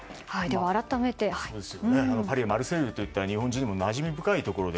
パリのマルセイユといったら日本人もなじみ深い場所で。